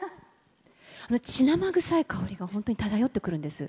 血生臭い香りが、本当に漂ってくるんです。